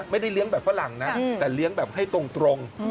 ไม่ได้เลี้ยงแบบฝรั่งนะแต่เลี้ยงแบบให้ตรง